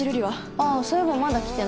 ああそういえばまだ来てないね。